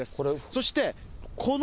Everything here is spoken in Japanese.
そして、この。